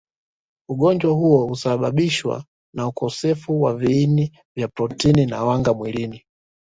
Ugonjwa huu husababishwa na ukosefu wa viini vya protini na wanga mwilini